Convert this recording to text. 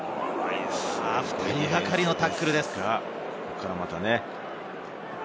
２人がかりのタックルです。